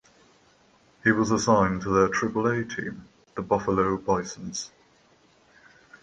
He was assigned to their Triple-A team, the Buffalo Bisons.